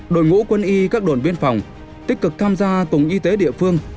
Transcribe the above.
đội ngũ quân y các đồn biên phòng tích cực tham gia cùng y tế địa phương